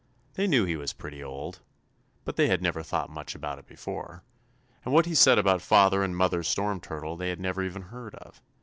They knew he was pretty old, but they had never thought much about it before, and what he said about Father and Mother Storm Turtle they had never even heard of.